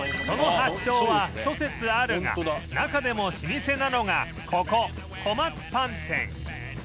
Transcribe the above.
その発祥は諸説あるが中でも老舗なのがここ小松パン店